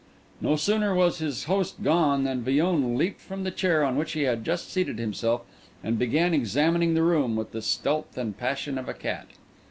No sooner was his host gone than Villon leaped from the chair on which he had just seated himself, and began examining the room, with the stealth and passion of a cat.